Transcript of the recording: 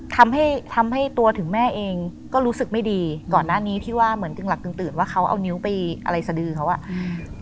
ทำให้ทำให้ตัวถึงแม่เองก็รู้สึกไม่ดีก่อนหน้านี้ที่ว่าเหมือนตึงหลักกึงตื่นว่าเขาเอานิ้วไปอะไรสะดือเขาอ่ะอืม